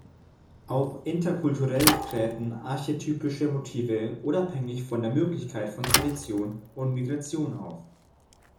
Auch interkulturell träten archetypische Motive unabhängig von der Möglichkeit von Tradition und Migration auf.